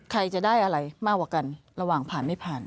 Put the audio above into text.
ใครจะได้อะไรมากกว่ากันระหว่างผ่านไม่ผ่าน